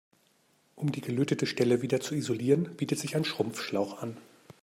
Um die gelötete Stelle wieder zu isolieren, bietet sich ein Schrumpfschlauch an.